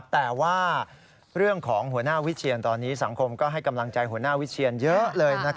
แต่ว่าเรื่องของหัวหน้าวิเชียนตอนนี้สังคมก็ให้กำลังใจหัวหน้าวิเชียนเยอะเลย